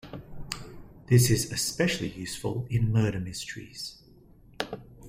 This is especially useful in murder mysteries.